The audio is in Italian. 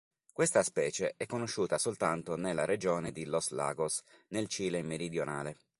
Questa specie è conosciuta soltanto nella Regione di Los Lagos, nel Cile meridionale.